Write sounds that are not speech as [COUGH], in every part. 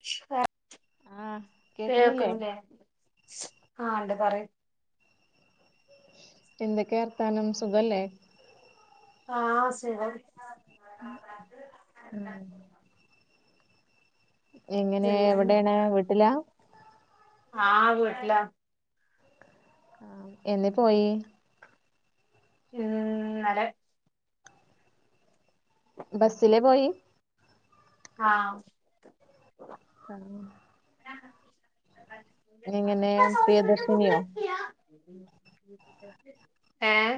[UNINTELLIGIBLE] ആഹ് കേക്കണില്ലേ കേക്ക്ണില്ലേ? ആഹ് ണ്ട് പറി എന്തൊക്കെ വർഥാനം സുഖല്ലേ? ആഹ് സുഖം. ഉം എങ്ങനെ പിന്നാണ് എവിടേണ്? വീട്ടിലാ. ആഹ് വീട്ടിലാ ആഹ് എന്നേ പോയേ? ഇ ന്നലെ. ബസ്സിലെ പോയി? ആഹ് ആഹ് എങ്ങനെ പ്രിയദർശിനിയോ ഏഹ്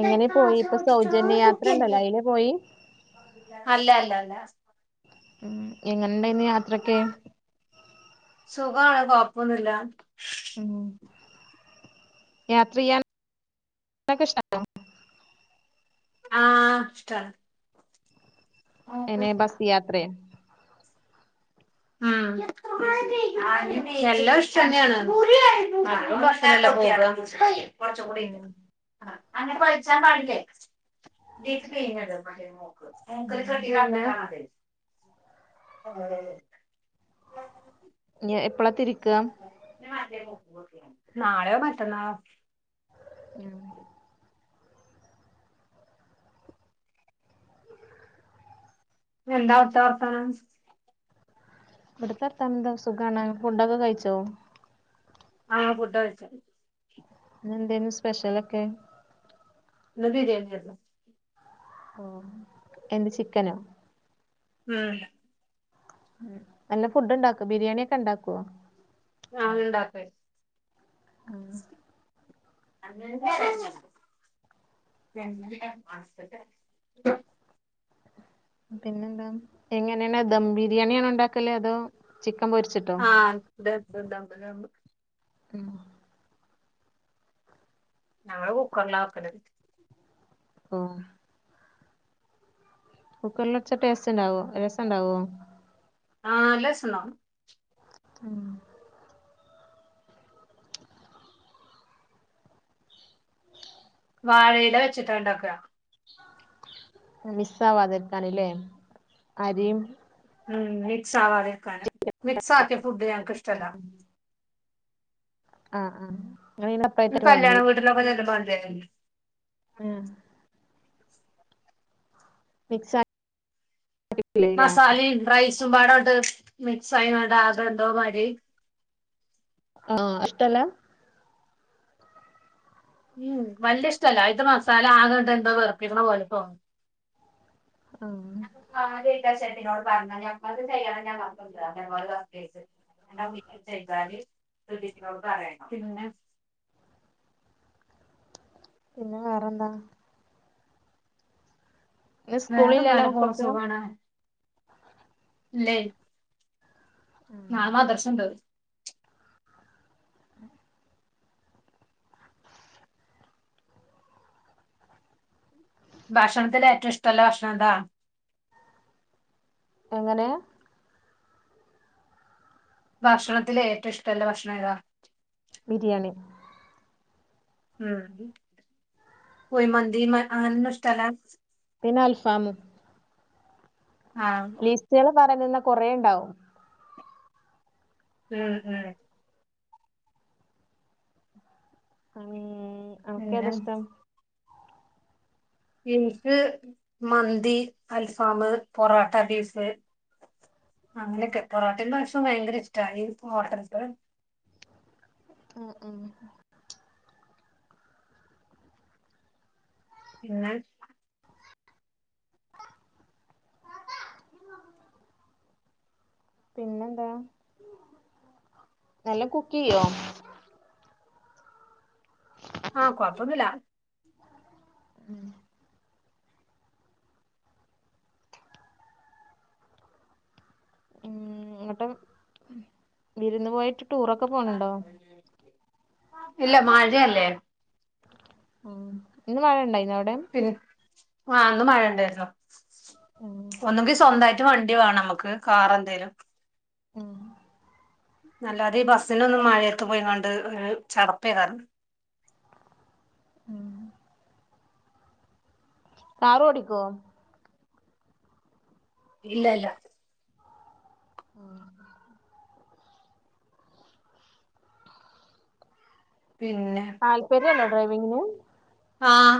എങ്ങനെ പോയി ഇപ്പൊ സൗജന്യ യാത്ര ഉണ്ടല്ലോ അയില് പോയി അല്ല അല്ല അല്ല. ഉം എങ്ങനെണ്ടായിന്ന് യാത്രൊക്കെ? സുഖാണ്. കൊഴപ്പൊന്നുല്ല. ഉം യാത്രയ്യാൻ [UNINTELLIGIBLE] ക്കെ ഇഷ്ടാണോ? ആഹ് ഇഷ്ടാണ്. എനെ ബസ് യാത്രേ ഉ എല്ലാം ഇഷ്ടൊന്നേണ് കുറച്ചുംകൂടിട്‌ അങ്ങട്ട് വലിച്ചാൻ പാടില്ലേ ഇതിത്തെ കഴഞ്ഞട പക മൂ മൂക്കിൽ ചെരിവണ്ട മഹാ ഇഞ് എപ്പളാത്തിരിക്ക മറ്റേ നാളെയോ മറ്റന്നാളോ ഉം പിന്നെന്താ അവടത്തെ വർത്താനം ഇവിടുത്തെത്തന്ത സുഖാണ് ഫുഡൊക്കെ കഴിച്ചോ ആ ഫുഡ്കഴിച്ച ഇന്നെന്തേര്ന്നു സ്പെഷ്യലൊക്കെ ഇന്ന് ബിരിയെണിരുന്നു ഓ എന്ത് ചിക്കനോ ഉം ഉം നല്ല ഫുഡ് ണ്ടാക്കോ ബിരിയാണി ഒക്കെ ഇണ്ടാക്കോ ആഹ് ഇണ്ടാക്ക അങ്ങണ്ടെ പിസ് പിന്നെന്താ എങ്ങനെയാണ് ദം ബിരിയാണിയാണോ ഉണ്ടാക്കല് അതോ ചി ആഹ് ദമ്മ് ദമ്മ് ദം ഉം ഞങ്ങള് കുക്കറില വെക്കൽ ആ കുക്കറില് വെച്ച ടേസ്റ്റ്ണ്ടാവോ രസണ്ടാവോ ആ നല്ലസണ്ടാവും ഉം വാഴയില വെച്ചിട്ടാണ്ടാക്ക മിസ്സാവാതിരിക്കാനല്ലേ അരിയും ഉം മിക്സ്ആവാതിരിക്കാൻ മിക്സ് ആക്കിയ ഫുഡ് ഞങ്ങക്ക് ഇഷ്ടല്ല ആഹ ആഹ കല്ല്യാണ വീട്ടിലൊക്കെ ചൊല്ലുമ്പോകണ്ടിലെ അഹ് മിക്സക് മസാലിം റൈസ് മ്പാടെങ്ങട്ട് മിക്സ് ആയിങ്ങാണ്ട് ആകെ എന്തോമാതിരി ആ ഇഷ്ടല്ല ഉം വല്ലിയ ഇഷ്ടല്ല അയിത്തെ മസാല ആകണ്ട് എന്തോ വെറുപ്പിക്കണ പോലെതോന്നും ആഹ് ഞാനിപ്പോ കാര്യായിട്ട് ആ ഷെഫിനോട് പറഞ്ഞാമതി അപ്പൊ ചെയ്യാ ഞാൻ ചെയ്യലല്ലേ അതേപോലെ സർപ്രൈസ്‌ എ വീട്ടിൽ ചെയ്താല് സിദ്ധീകിനോട് പറയണം പിന്നെ [INAUDIBLE] പിന്നെ വേറെന്താ ഇ വേറെന്താ സ്കൂളില്ലല്ലോ അന്റെ മക്കക്ക് ല്ലയ് നാളേമദ്രസണ്ട് ഭക്ഷണത്തിലേറ്റവും ഇഷ്ടള്ള ഭക്ഷണം എന്താ എങ്ങനേ ഭക്ഷണത്തില് ഏറ്റവും ഇഷ്ടല്ല ഭക്ഷണം ഏതാ ബിരിയാണി ഉം കുയിമന്തി മ് അങ്ങനൊന്നും ഇഷ്ടാല പിന്നെൽഫാമും ആഹ് പറങ്ങ്ന്ന കൊറേ ണ്ടാവും ഉം ഉം ഉം അനക്കേതാ പിന്നെ ഇഷ്ടം ഇൻക്ക് മന്തി അൽഫാമ് പൊറാട്ട ബീഫ് അങ്ങനെയൊക്കെ പൊറോട്ടേ [UNINTELLIGIBLE] ഭയങ്കര ഇഷ്ടാ ഈ ഹോട്ടൽത്തെ ഉം ഉം പിന്നെ പിന്നെ എന്താ നല്ലോം കുക്ക് ചെയ്യോ? ആഹ് കൊഴപ്പൊന്നുല്ല ഉം ഉം ങ്ങട്ടും വിരുന്ന് പോയിട്ട് ടൂറൊക്കെ പോണ് ണ്ടോ? ഇല്ല മഴല്ലേ ഉം ഇന്ന് മഴ ണ്ടായിനോ അവിടെ? ആഹ് ഇന്ന് മഴ ണ്ടായ്ർന്നു ഉം ഒന്നങ്കി സ്വന്തായിട്ട ട്ട് വണ്ടി വേണം നമുക്ക് കാറെന്തേലും ഉം അല്ലാതെ ഈ ബസ്സിനൊന്നും മഴയത്ത് പോയിങ്ങാണ്ട് ഒരു ചടപ്പേക്കാരം [INAUDIBLE] കാറോടിക്കോ? ഇല്ല ഇല്ല ആഹ് പിന്നെ താല്പര്യണ്ടോ ഡ്രൈവിങ്ങിന്? ആഹ്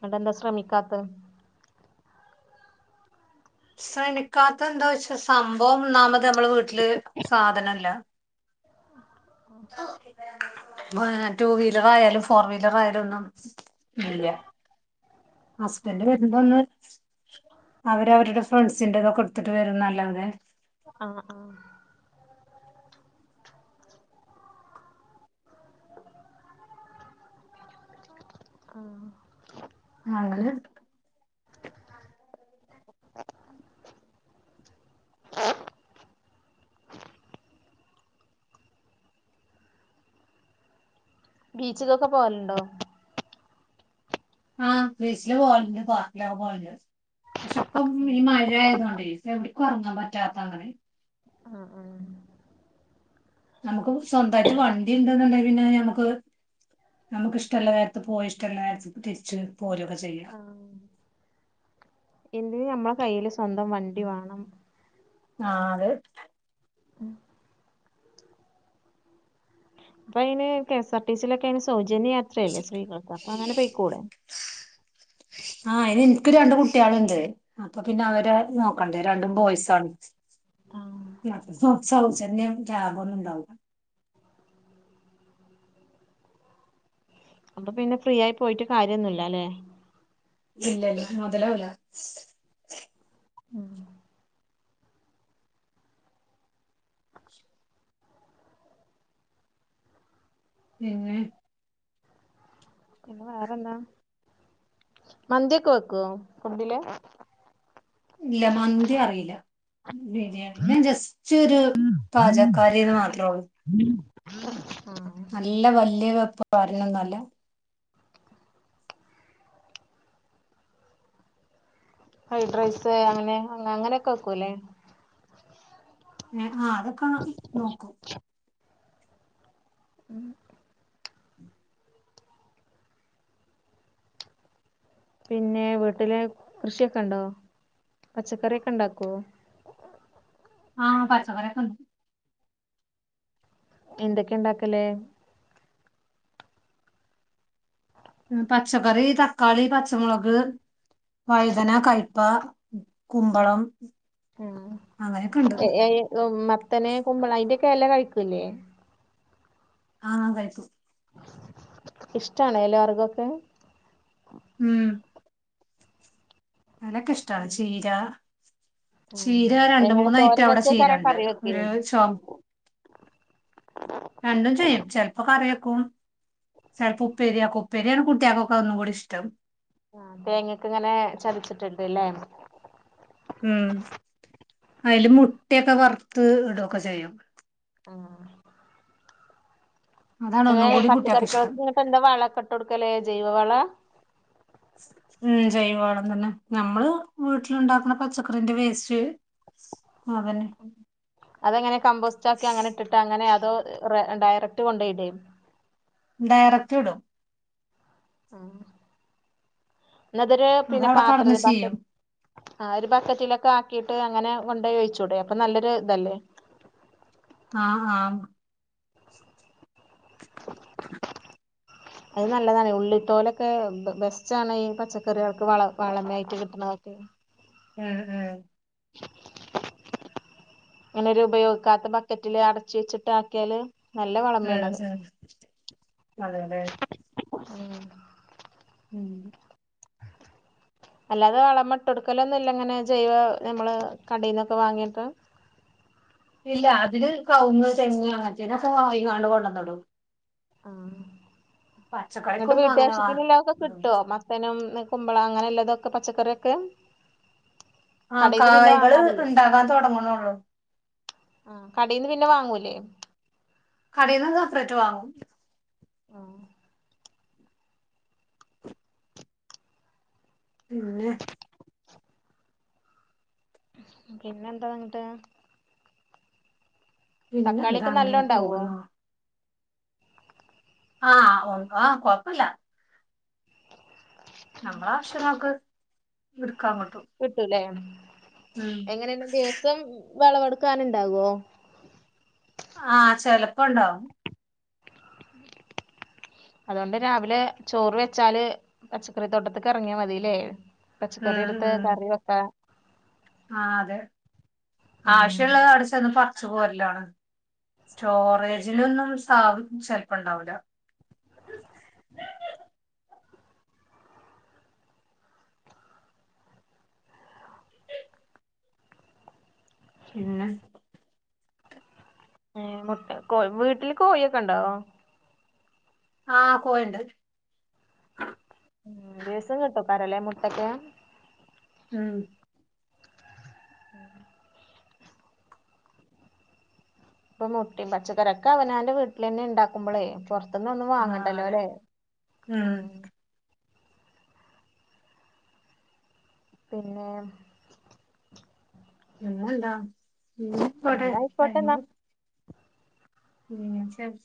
ന്നട്ടെന്താ ശ്രമിക്കാത്തത്? ശ്രമിക്കാത്ത എന്താ വെച്ചാ സംഭവം ഒന്നാമത് നമ്മളെ വീട്ടില് സാധനല്ല ടൂ വീലർ ആയാലും ഫോർ വീലർ ആയാലും ഒന്നും ഇല്ല ഹസ്ബന്റ് വരുമ്പൊന്ന് അവര് അവരുടെ ഫ്രണ്ട്സിന്റെതൊക്ക്‌ട് ത്തിട്ട് വരുന്നല്ലാതെ ആഹ് ആഹ് ആ അങ്ങനൊ [INAUDIBLE] ബീച്ചിലൊക്കെ പോവലുണ്ടോ ആഹ് ബീച്ചില് പോവാലുണ്ട് പർക്കിലൊക്കെ പോവല്ണ്ട് പക്ഷെ ഇപ്പം ഈ മഴ ആയതോണ്ടേ എവിടിം കറങ്ങാൻ പറ്റാത്ത അങ്ങനെ ആഹ് ആഹ് നമുക്കൊക്കെ സ്വന്തായിട്ട് വണ്ടിണ്ട്‌ന്ന്ണ്ടേ പിന്നെ ഞമ്മക്ക് നമുക്ക് ഇഷ്ടമുള്ള നേരത്ത് പോയി ഇഷ്ടമുള്ള നേരത്ത് തിരിച്ചു പോരൊക്കെ ചെയ്യാ എന്തിനും ഞമ്മളെ കയ്യില് സ്വന്തം വണ്ടി വേണം ആഹ് അതെ ഉം പ്പൊയ്ന് K S R T C ലൊക്കയ്ന് സൗജന്യയാത്രയല്ലേ അത് സ്ത്രീകൾക്ക് അപ്പൊ അങ്ങനെ പോയ്ക്കൂടെ ക്ക് രണ്ട്‌ കുട്ട്യാള്ണ്ട് അപ്പൊ പിന്നെ അവരെ നോക്കണ്ടേ രണ്ടും ബോയ്സാണ് ആഹ് യാത്ര സൗജന്യാണേലും ലാഭോന്നുണ്ടാവൂല അപ്പൊ പിന്നെ ഫ്രീ ആയി പോയിട്ട് കാര്യൊന്നുല്ലലേ ഇല്ലല്ല മുതലാവുല ആഹ് പിന്നെ പിന്നെ വേറെന്താ മന്തിയൊക്കെ വെക്കുവോ ഫുഡില് ഇല്ല മന്തി അറിയില്ല ബിരിയാണി ഞാൻ ജസ്റ്റ് ഒരു പാചക്കാരിന്ന് മാത്രള്ളൂ നല്ല വല്യ വെപ്പ് വരണൊന്നുംല്ല ഫ്രൈഡ് റൈസ് അങ്ങനെ അങ്ങനെയൊക്കെ വെക്ക്‌ അല്ലേ ആഹ് അതൊക്കെ നോക്കും ഉം [UNINTELLIGIBLE] പിന്നെ വീട്ടിലെ കൃഷിയൊക്കെ ഉണ്ടോ പച്ചക്കറി ഒക്കെ ഇണ്ടാക്കുവോ ആഹ് പച്ചക്കറിയ്ക്കോ ഉ എന്തൊക്കെയാ ഉണ്ടാക്കല് പച്ചക്കറി തക്കാളി പച്ചമുളക് വൈതന കഴപ്പ കുമ്പളം ഉം അങ്ങനെയൊക്കെ ഉണ്ട് ഏ ഈ മ ത്തനെ കുമ്പള അതിന്റെയൊക്കെ ഇല കഴിക്കൂല്ലേ ആഹ് കഴിക്കും ഇഷ്ടണോ ഇല വർഗംക്കേ ഉം അനക്കെ ഇഷ്ടാ ചീര ഉം ചീര രണ്ട് എങ്ങനെ മൂന്നായിറ്റം തോരൻ അവിടെ ചീര വെക്കാക്കാരം ഉണ്ട് കറി വെക്കേ ഒരു ചു രണ്ടും ചെയ്യും ചെലപ്പോ കറി വെയ് ക്കും ചിലപ്പോ ഉപ്പേരിയാക്കും ഉപ്പേരിയാണ് കുട്ടികൾക്ക്‌ ഒന്നും കൂടി ഇഷ്ടം ആഹ് തേങ്ങക്കയ്ങ്ങനെ ചതച്ച്ട്ട്ട്ട്ല്ലേ ഉം അതില് മുട്ടയൊക്കെ വറുത്ത് ഇടൊക്കെ ചെയ്യും അതാണ് ഒന്നും അങ്ങന കൂടി കുട്ടികൾക്ക് ഇഷ്ടം പച്ചക്കറികൾക്ക് എന്താ വളക്കെ ഇട്ട് കൊടുക്കല് ജൈവവളാ ഉം ജൈവവളം തന്നെ ഞമ്മള് വീട്ടിലുണ്ടാക്കുന്ന പച്ചക്കറിന്റെ വേസ്റ്റ് [INAUDIBLE] അതങ്ങനെ കമ്പോസ്റ്റ് ആക്കി അങ്ങനെ ഇട്ടിട്ട് അങ്ങനെ അതോ ഡയറക്ട് കൊണ്ടോയിടോ ഡയറക്റ്റ് ഇടും ഉം പിന്നെ അതോര് പിന്നെ അതവിടെ കടന്ന് പാത്ര ചെയ്യും ബക്കറ്റ് ആഹ് ഒരു ബക്കറ്റിലൊക്കെ ആക്കി ക്കിട്ട് അങ്ങനെ കൊണ്ടപോയി വച്ചുടെ അപ്പൊ നല്ലൊരു ഇതല്ലേ ആഹ് ആഹ് [INAUDIBLE] അത് നല്ലതാണ് ഉള്ളിത്തോലൊക്കെ ബെസ്റ്റാണ് ഈ പച്ചക്കറികൾക്ക് വള വളമായിട്ട് എടുക്കുന്നത്ക്കേ ഉം ഉം ഇങ്ങനെരു ഉപയോഗിക്കാത്ത ബക്കറ്റില് അടച്ച് വെച്ചിട്ട് ആക്കിയാല് നല്ല ഉം വളമേണത് ഉം അതെയതെ ഉം ഉം അല്ലാതെ വളമിട്ട് കൊടുക്കലൊന്നും ഇല്ലങ്ങനെ ജൈവ നമ്മള് കടയിൽന്നൊക്കെ വാങ്ങിട്ട് ഇല്ല അതില് കവുങ്ങ് തെങ്ങ് അങ്ങനത്തെന്ന്‌ കൊണ്ടന്ന്‌ടും ആഹ് എന്നിട്ട് പച്ചക്കറിക്കൊന്നും അങ്ങനെ വാ വീട്ടാവിശ്യത്തിന് വല്ലോക്കേ ഇടൂല കിട്ടുവോ മത്തനും ള അങ്ങനെല്ലാതൊക്കെ പച്ചക്കറിക്കെ ആ കടയിൽന്ന് പിന്നെ കായ്കള് വാങ്ങാറില്ലേ ഇണ്ടാകാൻ തൊടങ്ങണൊള്ളൂ കടയിന്ന്‌ പി ന്നേ വാങ്ങൂലേ കടയിന്ന്‌ സപ്പറേറ്റ് വാങ്ങും ഉം പിന്നേ പിന്നേ എന്താ എന്നിട്ട് പിന്നെന്താ തക്കാളിയൊക്കെ അങ്ങനെ നല്ലോ ഉണ്ടാവോ പോകുന്നു ആഹ് ആഹ് കുഴപ്പംല്ല നമ്മള ആവിശ്യങ്ങക്ക് കിട്ടൂല്ലേ ഉം എങ്ങനേല്ലും ദിവസം വെളവെടുക്കാനുണ്ടാവുവോ ആഹ് ചെലപ്പോണ്ടാവും അതുകൊണ്ട് രാവിലെ ചോറ് വെച്ചാല് പച്ചക്കറി തോട്ടത്തക്ക് എറങ്ങിയാ മതില്ലേ പച്ചക്കറി ഉം എടുത്ത് ഉം കറി വെക്കാം ആ അതെ ഉം ആവശ്യമുള്ളത് അവിടെച്ചെന്ന് പറിച്ച് പോരലാണ് സ്റ്റോറേജിലൊന്നും സ ചെലപ്പുണ്ടാവില്ല പിന്ന മുട്ട കോഴി വീട്ടില് കോഴിയൊക്കെ ഒണ്ടാവോ ആഹ് കോയണ്ട് ഉം ദിവസം കിട്ടും പരലേ മുട്ടക്കെയാ ഉം ഇപ്പൊ മുട്ടേം പച്ചക്കറീക്കെ അവനാന്റെ വീട്ടിൽ തന്നെ ഉണ്ടാക്കുമ്പോളേ പൊറത് എന്നും ഒന്നും ആ വാങ്ങണ്ടല്ലോ അതെ അല്ലേ ഉം പിന്നെ ങ്ങളല്ലാ ഇവിടെ എന്നാ ആയിക്കോട്ടെ അഭിപ്രായങ്ങൾ എന്നാ ഉം ശരി